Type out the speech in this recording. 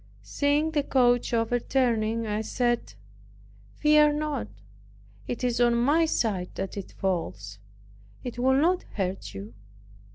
Seeing the coach overturning, I said, "Fear not, it is on my side that it falls; it will not hurt you."